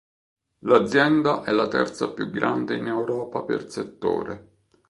L'azienda è la terza più grande in Europa per settore.